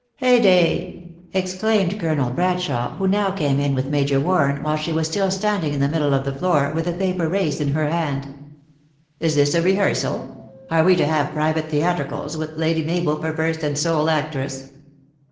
" Heyday !" exclaimed Colonel Bradshawe, who now came in with Major Warren, while she was still standing in the middle of the floor, with the paper raised in her hand, " Is this a rehearsal ? Are we to have private theatricals, with Lady Mabel for first and sole actress